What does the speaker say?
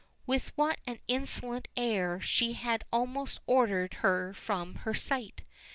With what an insolent air she had almost ordered her from her sight.